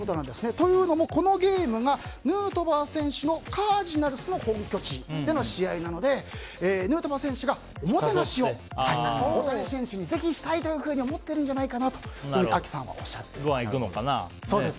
というのも、このゲームがヌートバー選手のカージナルスの本拠地での試合なのでヌートバー選手がおもてなしを大谷選手にぜひしたいと思っているんじゃないかなとＡＫＩさんはおっしゃっています。